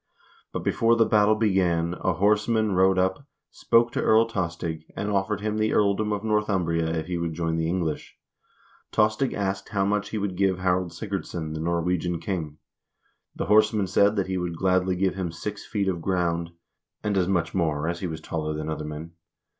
But before the battle began, a horseman rode up, spoke to Earl Tostig, and offered him the earldom of Northumbria if he would join the English. Tostig asked how much he would give Harald Sigurdsson, the Norwegian king. The horseman said that he would gladly give him six feet of ground, and as much more as he was taller than other men